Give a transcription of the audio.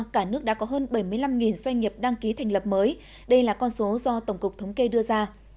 cả nước đã có hơn bảy mươi năm doanh nghiệp đăng ký thành lập mới đây là con số do tổng cục thống kê đưa ra